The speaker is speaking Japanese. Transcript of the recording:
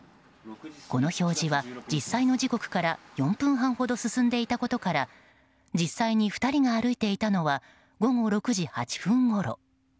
この表示は実際の時刻から４分半ほど進んでいたことから実際に２人が歩いていたのは午後６時８分ごろ。